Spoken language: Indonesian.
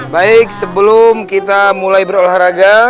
baik sebelum kita mulai berolahraga